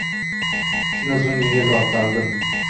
Shundan so`ng engil tortardim